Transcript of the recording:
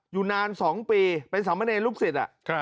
อยู่นานสองปีเป็นสามเมนเอนลูกศิษย์อ่ะ